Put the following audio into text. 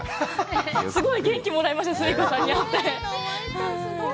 すごい元気をもらいました、スミ子さんに会って。